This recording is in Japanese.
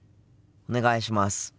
お願いします。